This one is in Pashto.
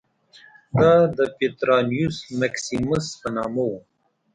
دا د پټرانیوس مکسیموس په نامه و